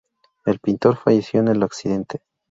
El pintor falleció en el accidente.